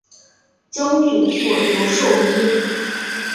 曾祖父刘寿一。